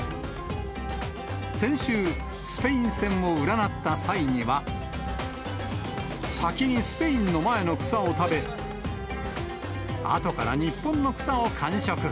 先週、スペイン戦を占った際には、先にスペインの前の草を食べ、あとから日本の草を完食。